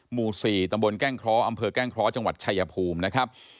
หมู่๔ตำบลแก้งเคราะห์อำเภอแก้งเคราะห์จังหวัดชายภูมินะครับ